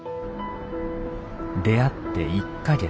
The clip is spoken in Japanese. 出会って１か月。